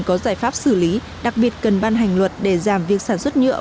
có giải pháp xử lý đặc biệt cần ban hành luật để giảm việc sản xuất nhựa